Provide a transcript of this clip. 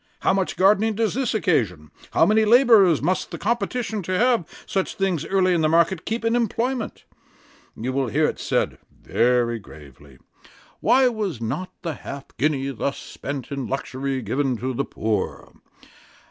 How much gardening does this occasion? how many labourers must the competition to have such things early in the market, keep in employment? You will hear it said, very gravely, Why was not the half guinea, thus spent in luxury, given to the poor?